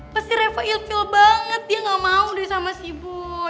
pasti reva ill feel banget dia gak mau deh sama si boy